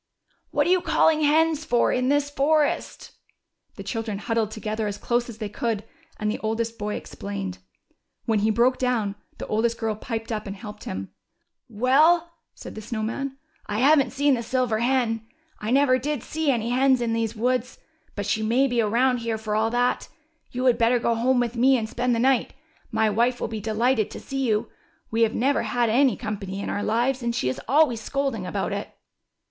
"What are you calling hens for in this forest ?" The children huddled tpgether as close as they could. THE SILVER HEN. 265 and the oldest boy explained. When he broke down the oldest girl piped up and helped him. ^^Well/' said the Snow Man, haven't seen the sil ver hen. I never did see any hens in these woods, but she may be around here for all that. You had better go home with me and spend the night. My wife will be delighted to see you. We have never had any company in our lives, and she is always scolding about it."